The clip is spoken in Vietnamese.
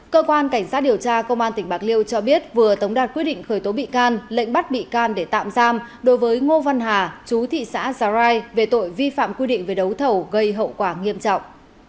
cơ quan cảnh sát điều tra công an tỉnh bạc liêu cho biết vừa tống đạt quyết định khởi tố bị can lệnh bắt bị can để tạm giam đối với ngô văn hà chú thị xã giá rai về tội vi phạm quy định về đấu thầu gây hậu quả nghiêm trọng